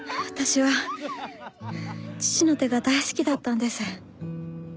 私は父の手が大好きだったんです。